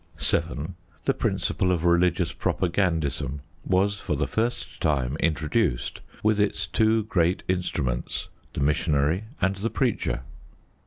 7. The principle of religious propagandism was for the first time introduced with its two great instruments, the missionary and the preacher.